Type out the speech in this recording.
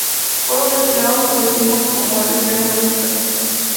Fueron destinados a cultivos como el de la caña de azúcar.